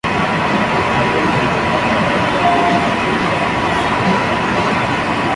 Ofrece servicio de televisión por cable.